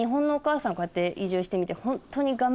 こうやって移住してみて。